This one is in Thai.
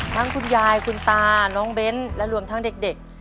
คุณยายคุณตาน้องเบ้นและรวมทั้งเด็ก